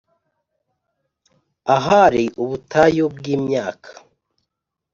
ahari 'ubutayu bwimyaka